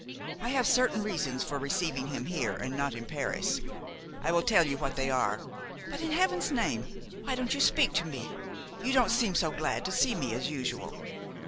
I have certain reasons for receiving him here and not in Paris. I will tell you what they are. But, in heaven's name, why don't you speak to me? you don't seem so glad to see me as usual."